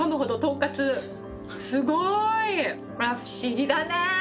すごーいあっ不思議だね